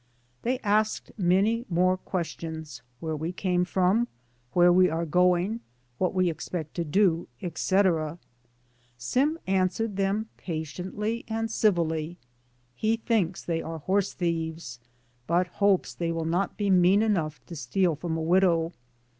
They asked many more questions. Where we came from? Where we are going? What we expect to do, etc. Sim answered them patiently and civilly. He thinks they are horse thieves, but hopes they will not be mean enough to steal from a widow.